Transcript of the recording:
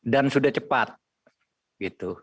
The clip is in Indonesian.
dan sudah cepat